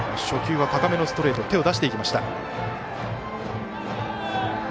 初球は高めのストレートに手を出していきました。